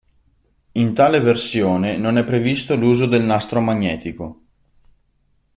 In tale versione non è previsto l'uso del nastro magnetico.